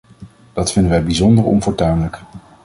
Dat vinden wij bijzonder onfortuinlijk.